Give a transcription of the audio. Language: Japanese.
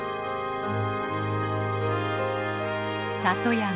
里山。